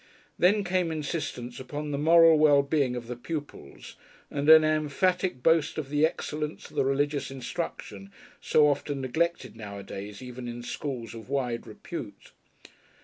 Then came insistence upon the "moral well being" of the pupils, and an emphatic boast of the excellence of the religious instruction, "so often neglected nowadays even in schools of wide repute."